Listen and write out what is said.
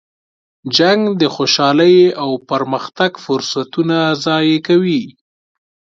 جنګ د خوشحالۍ او پرمختګ فرصتونه ضایع کوي.